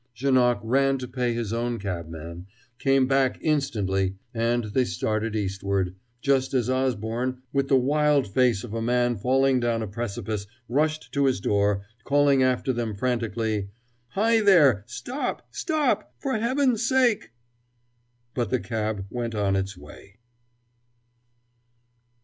Janoc ran to pay his own cabman, came back instantly, and they started eastward, just as Osborne, with the wild face of a man falling down a precipice, rushed to his door, calling after them frantically: "Hi, there! Stop! Stop! For Heaven's sake " But the cab went on its way.